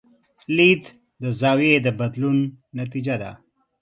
لید د زاویې د بدلون نتیجه ده.